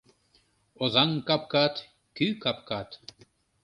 Озаҥ капкат - кӱ капкат